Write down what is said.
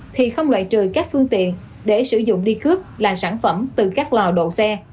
thì không loại trừ các phương tiện để sử dụng đi cướp là sản phẩm từ các lò độ xe